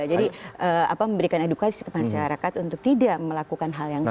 jadi memberikan edukasi ke masyarakat untuk tidak melakukan hal yang sama